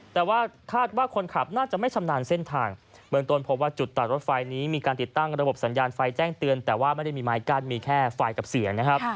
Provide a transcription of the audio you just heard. แต่ว่าคาดว่าคนขับน่าจะไม่ชำนาญเส้นทางเบื้องต้นพบว่าจุดตัดรถไฟนี้มีการติดตั้งระบบสัญญาณไฟแจ้งเตือนแต่ว่าไม่ได้มีไม้กั้นมีแค่ไฟกับเสียงนะครับ